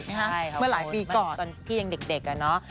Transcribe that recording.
ใช่ขอบคุณมันมีตอนที่ยังเด็กอ่ะเนาะ